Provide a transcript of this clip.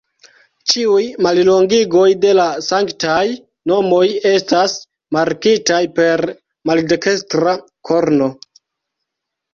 Ĉiuj mallongigoj de la Sanktaj Nomoj estas markitaj per maldekstra korno.